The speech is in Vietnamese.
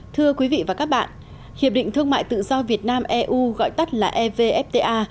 thưa quý vị và các bạn hiệp định thương mại tự do việt nam eu gọi tắt là evfta